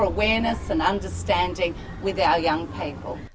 dengan memastikan ada kesadaran dan paham dengan orang muda kita